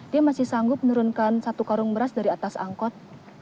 dia masih sanggup menurunkan satu karung beras dari atas angkot